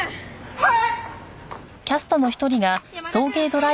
はい！